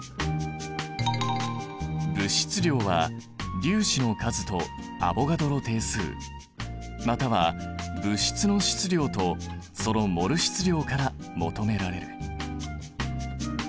物質量は粒子の数とアボガドロ定数または物質の質量とそのモル質量から求められる。